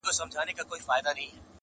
توري سترګي غړوې چي چي خوني نه سي,